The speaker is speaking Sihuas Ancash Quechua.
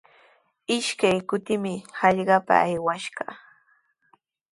Ishkay kutimi hallqapa aywash kaa.